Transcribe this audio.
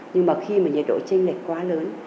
nhưng mà khi mà nhiệt độ tranh lệch quá lớn